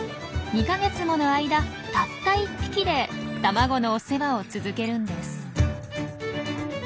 ２か月もの間たった１匹で卵のお世話を続けるんです。